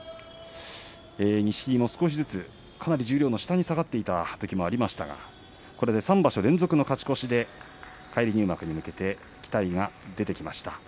錦木も十両のかなり下に下がっているときもありましたがこれで３場所連続の勝ち越しで返り入幕に向けて期待が出てきました。